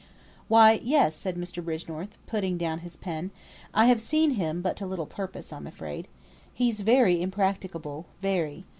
"Why, yes," said Mr. Bridgenorth, putting down his pen, "I have seen him, but to little purpose, I'm afraid. He's very impracticable very.